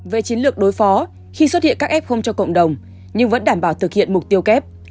về chiến lược đối phó khi xuất hiện các f cho cộng đồng nhưng vẫn đảm bảo thực hiện mục tiêu kép